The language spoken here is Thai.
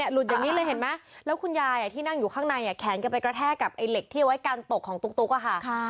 หลุดอย่างนี้เลยเห็นไหมแล้วคุณยายที่นั่งอยู่ข้างในแขนกันไปกระแทกกับไอ้เหล็กที่เอาไว้กันตกของตุ๊กอะค่ะ